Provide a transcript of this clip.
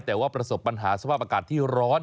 แต่ว่าประสบปัญหาสภาพอากาศที่ร้อน